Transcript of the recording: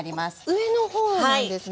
上の方なんですね。